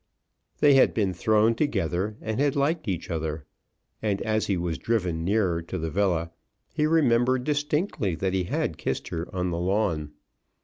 They had been thrown together and had liked each other. And as he was driven nearer to the villa, he remembered distinctly that he had kissed her on the lawn.